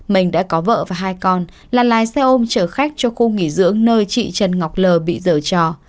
mình đã có vợ và hai con là lái xe ôm chở khách cho khu nghỉ dưỡng nơi chị trần ngọc lờ bị dở trò